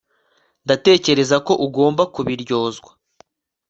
ndatekereza ko ugomba kubiryozwa